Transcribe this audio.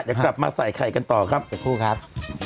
จะกลับมาใส่ไข่กันต่อครับเดี๋ยวพูดครับ